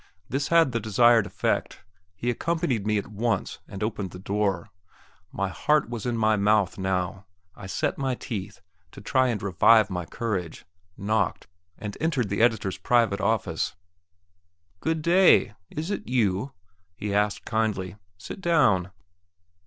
This had the desired effect. He accompanied me at once, and opened the door. My heart was in my mouth now; I set my teeth, to try and revive my courage, knocked, and entered the editor's private office. "Good day! Is it you?" he asked kindly; "sit down."